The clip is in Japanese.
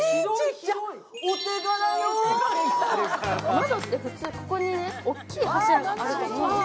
窓って普通ここに大きい柱があると思うんですけど、。